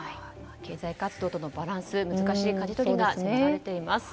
経済活動とのバランス難しいかじ取りが迫られています。